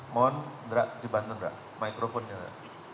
mohon dibantu microphone nya